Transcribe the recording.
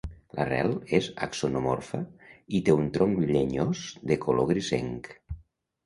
L'arrel és axonomorfa i té un tronc llenyós de color grisenc.